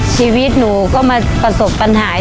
ชีวิตหนูก็มาประสบปัญหา